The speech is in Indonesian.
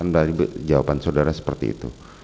dan jawaban saudara seperti itu